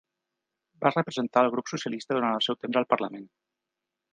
Va representar al grup socialista durant el seu temps al Parlament.